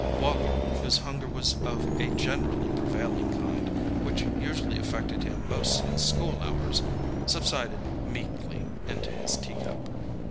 Wally, whose hunger was of a generally prevailing kind, which usually afflicted him most in school hours, subsided meekly into his tea cup.